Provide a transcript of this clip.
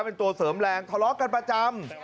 เป็นตัวเสริมแรงทะเลาะกันประจำ